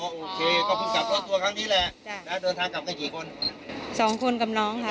โอเคก็เพิ่งกลับรถตัวครั้งนี้แหละจ้ะนะเดินทางกลับได้กี่คนสองคนกับน้องค่ะ